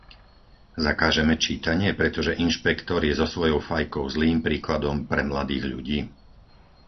Zakážeme čítanie, pretože inšpektor je so svojou fajkou zlým príkladom pre mladých ľudí?